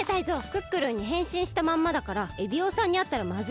クックルンにへんしんしたまんまだからエビオさんにあったらまずいんじゃないの？